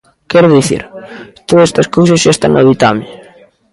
Quero dicir: todas estas cousas xa están no ditame.